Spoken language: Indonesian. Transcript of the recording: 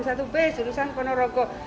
satu base jurusan penerokok